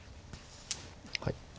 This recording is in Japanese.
はい。